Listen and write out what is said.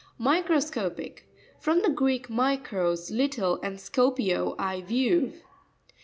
Microsco'pic.—From the Greek, mi kros, little, and skoped, I view.